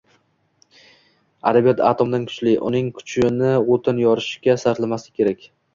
“Adabiyot atomdan kuchli.uning kuchini o’tin yorishga sarflamaslik kerak!”